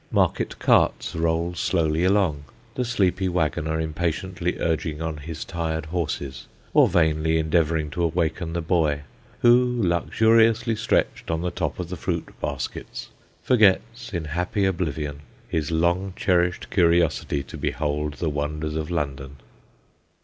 Market carts roll slowly along: the sleepy waggoner impatiently urging on his tired horses or vainly endeavouring to awaken the boy, who, luxuriously stretched on the top of the fruit baskets, forgets, in happy oblivion, his long cherished curiosity to behold the wonders of London.